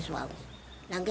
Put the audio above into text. saya terlalu sakit